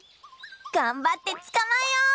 がんばってつかまえよう！